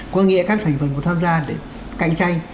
có nghĩa là các thành phần cùng tham gia để cạnh tranh